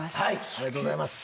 ありがとうございます。